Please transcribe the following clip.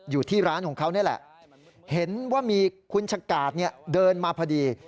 อยู่ที่ร้านของเขานี่แหละเห็นว่ามีคุณชะกาดเดินมาพอดี